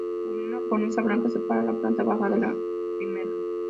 Una cornisa blanca separa la planta baja de la primera.